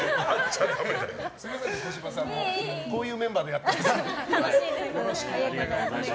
すみません、小芝さんも。こういうメンバーで楽しいです。